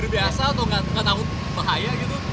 ini biasa atau gak tahu bahaya gitu